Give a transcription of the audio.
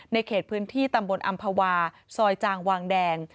เขตพื้นที่ตำบลอำภาวาซอยจางวางแดง